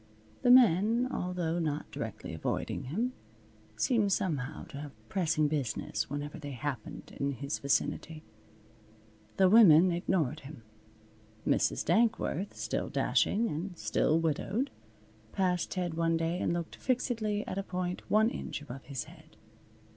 The men, although not directly avoiding him, seemed somehow to have pressing business whenever they happened in his vicinity. The women ignored him. Mrs. Dankworth, still dashing and still widowed, passed Ted one day and looked fixedly at a point one inch above his head.